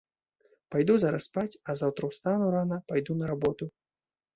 Пайду зараз спаць, а заўтра ўстану рана, пайду на работу.